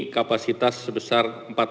kapasitas sebesar empat puluh satu lima